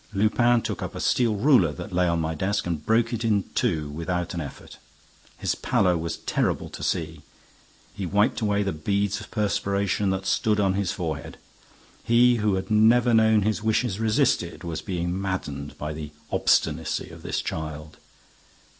Lupin took up a steel ruler that lay on my desk and broke it in two without an effort. His pallor was terrible to see. He wiped away the beads of perspiration that stood on his forehead. He, who had never known his wishes resisted, was being maddened by the obstinacy of this child.